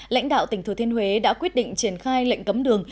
lãnh đạo tỉnh thừa thiên huế đã quyết định triển khai lệnh cấm đường